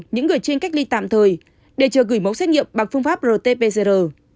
những người trên cách ly tạm thời để chờ gửi mẫu xét nghiệm bằng phương pháp rt pcr